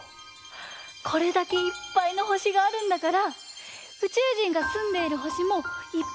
これだけいっぱいの星があるんだからうちゅうじんがすんでいる星もいっぱいあるとおもわない？